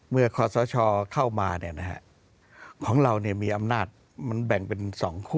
เมื่อคอสชเข้ามาของเรามีอำนาจมันแบ่งเป็นสองขั้ว